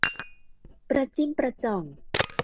ประจิ้มประจ่อง